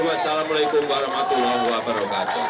wassalamualaikum warahmatullahi wabarakatuh